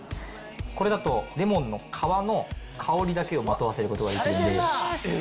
これだとレモンの皮の香りだけをまとわせることができるんです。